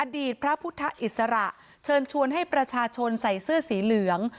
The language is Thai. อดีตพระพุทธอิสระเชิญชวนให้ประชาชนใส่เสื้อสีเหลือง